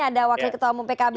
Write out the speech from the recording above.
ada wakil ketua umum pkb